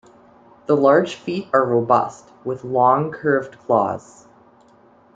The large feet are robust, with long curved claws.